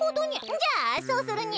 じゃあそうするにゃ。